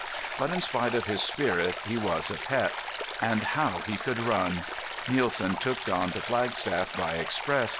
But in spite of his spirit he was a pet. And how he could run! Nielsen took Don to Flagstaff by express.